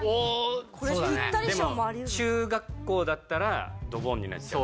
でも中学校だったらドボンになっちゃうからね。